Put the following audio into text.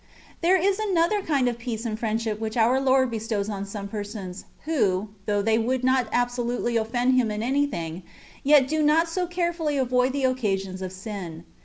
There is another kind of peace and friendship which our Lord bestows on some persons, who, though they would not absolutely offend Him in anything, yet do not so carefully avoid the occa sions of sin.